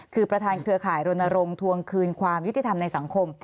คือประธานเครือข่ายรณรงค์ทวงคืนความยุติธรรมในสังคม